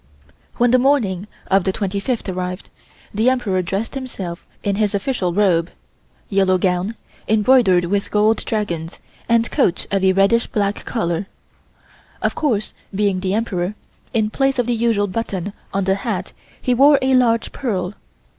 When the morning of the 25th arrived, the Emperor dressed himself in his official robe yellow gown, embroidered with gold dragons and coat of a reddish black color. Of course, being the Emperor, in place of the usual button on the hat he wore a large pearl.